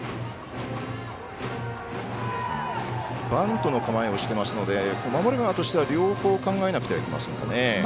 バントの構えをしてますので守る側としては、両方考えなくてはいけませんかね。